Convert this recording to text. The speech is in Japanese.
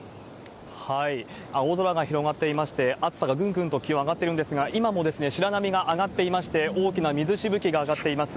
青空が広がっていまして、暑さがぐんぐんと気温、上がってるんですが、今も白波が上がっていまして、大きな水しぶきが上がっています。